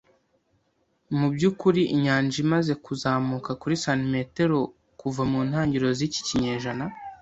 Mubyukuri, inyanja imaze kuzamuka kuri santimetero kuva mu ntangiriro z'iki kinyejana